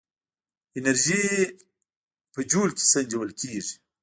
انرژي په جول کې سنجول کېږي.